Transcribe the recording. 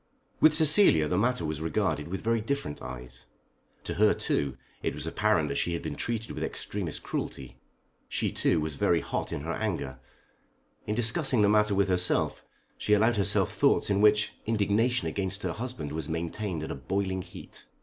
With Cecilia the matter was regarded with very different eyes. To her, too, it was apparent that she had been treated with extremest cruelty. She, too, was very hot in her anger. In discussing the matter with herself, she allowed herself thoughts in which indignation against her husband was maintained at a boiling heat.